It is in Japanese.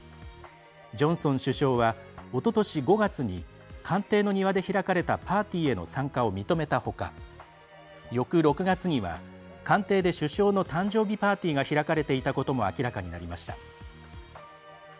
ジョンソン首相はおととし５月に官邸の庭で開かれたパーティーへの参加を認めたほか翌６月には官邸で首相の誕生日パーティーが開かれていたことも明らかになりました。